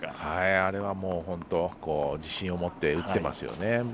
あれは本当に自信を持って打っていますよね。